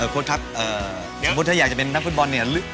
โคสิโก้สมมติถ้าอยากจะเป็นนักฟุตบอล